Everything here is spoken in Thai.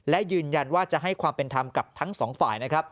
และยืนยันว่าจะให้ความเป็นธรรมกับทั้งสองฝ่ายนะครับ